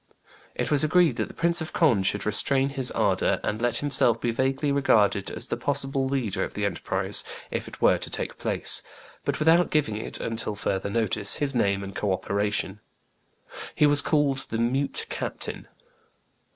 It was agreed that the Prince of Conde should restrain his ardor, and let himself be vaguely regarded as the possible leader of the enterprise if it were to take place, but without giving it, until further notice, his name and co operation. He was called the mute captain.